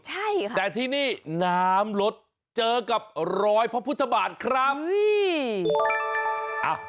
ใช่ค่ะแต่ที่นี่น้ำลดเจอกับรอยพระพุทธบาทครับ